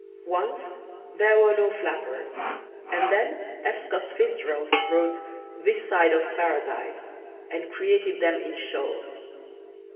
Once there were no flappers and then F. Scott Fitzgerald wrote "This Side of Paradise" and created them in shoals.